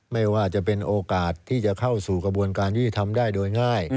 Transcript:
ไม่ว่าจะเป็นโอกาสที่จะเข้าสู่กระบวนการยุติธรรมได้โดยง่าย